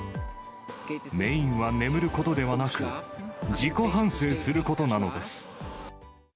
メインは眠ることではなく、自己反省することなのです。